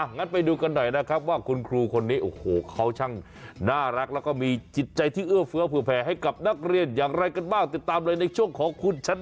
งั้นไปดูกันหน่อยนะครับว่าคุณครูคนนี้โอ้โหเขาช่างน่ารักแล้วก็มีจิตใจที่เอื้อเฟื้อเผื่อแผลให้กับนักเรียนอย่างไรกันบ้างติดตามเลยในช่วงของคุณชัด